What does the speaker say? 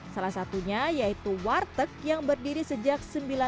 salah satunya yaitu warteg yang berdiri sejak seribu sembilan ratus sembilan puluh